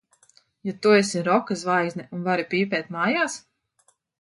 Jo tu esi roka zvaigzne un vari pīpēt mājās?